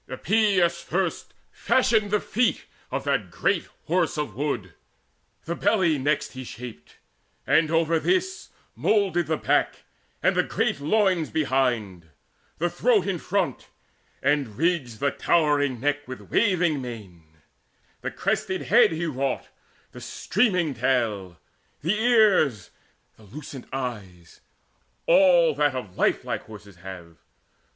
Epeius first Fashioned the feet of that great Horse of Wood: The belly next he shaped, and over this Moulded the back and the great loins behind, The throat in front, and ridged the towering neck With waving mane: the crested head he wrought, The streaming tail, the ears, the lucent eyes All that of lifelike horses have.